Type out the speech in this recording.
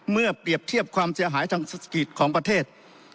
เปรียบเทียบความเสียหายทางเศรษฐกิจของประเทศ